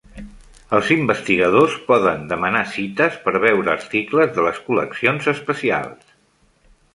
Els investigadors poden demanar cites per veure articles de les col·leccions especials.